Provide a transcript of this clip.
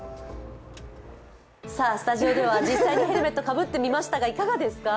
スタジオでは実際にヘルメットかぶってみましたがいかがですか？